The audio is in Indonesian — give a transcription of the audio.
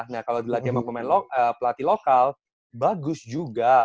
nah kalau dilatih sama pemain pelatih lokal bagus juga